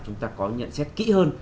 chúng ta có nhận xét kỹ hơn